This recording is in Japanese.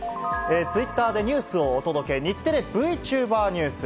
ツイッターでニュースをお届け！日テレＶチューバーニュース。